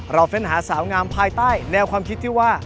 เฟ้นหาสาวงามภายใต้แนวความคิดที่ว่า